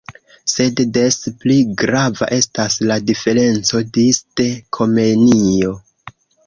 Sed des pli grava estas la diferenco disde Komenio.